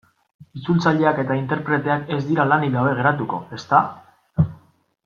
Itzultzaileak eta interpreteak ez dira lanik gabe geratuko, ezta?